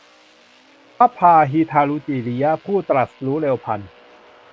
พระพาหิยทารุจีริยะ ผู้ตรัสรู้เร็วพลัน